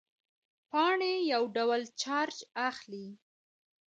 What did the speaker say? پاڼې یو ډول چارج اخلي.